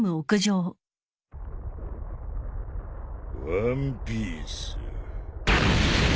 ワンピース。